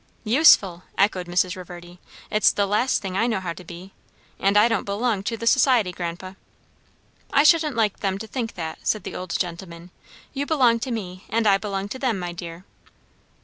"Useful!" echoed Mrs. Reverdy. "It's the last thing I know how to be. And I don't belong to the society, grandpa." "I shouldn't like them to think that," said the old gentleman. "You belong to me; and I belong to them, my dear."